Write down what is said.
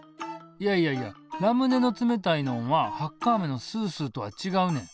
いやいやいやラムネの冷たいのんはハッカあめのスースーとはちがうねん。